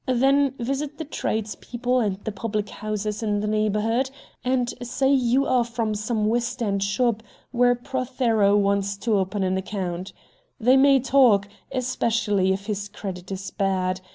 Then visit the trades people and the public houses in the neighborhood, and say you are from some West End shop where Prothero, wants to open an account. They may talk, especially if his credit is bad.